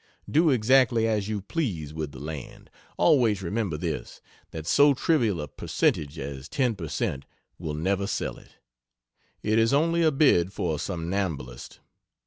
Do exactly as you please with the land always remember this that so trivial a percentage as ten per cent will never sell it. It is only a bid for a somnambulist.